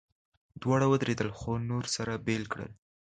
دواړه ودرېدل، خو نورو سره بېل کړل.